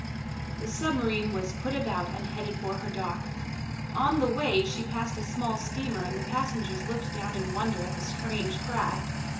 The submarine was put about and headed for her dock. On the way she passed a small steamer, and the passengers looked down in wonder at the strange craft.